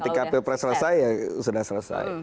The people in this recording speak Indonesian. artinya ketika ppr selesai ya sudah selesai